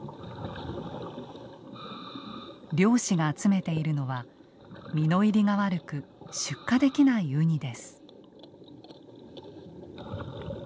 漁師が集めているのは身の入りが悪く出荷できないウニです。